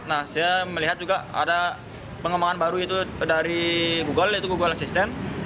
nah saya melihat juga ada pengembangan baru itu dari google yaitu google assistant